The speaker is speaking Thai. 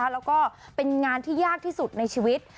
แล้วก็เป็นงานที่ยากที่สุดในชีวิต